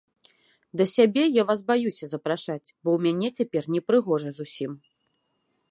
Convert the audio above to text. Да сябе я вас баюся запрашаць, бо ў мяне цяпер непрыгожа зусім.